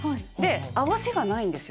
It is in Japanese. あわせがないんですよ